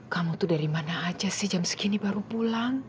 kamu tuh dari mana aja sih jam segini baru pulang